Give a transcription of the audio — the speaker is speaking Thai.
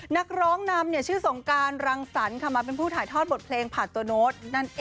นักร้องนำชื่อสงการรังสรรค์มาเป็นผู้ถ่ายทอดบทเพลงผ่านตัวโน้ตนั่นเอง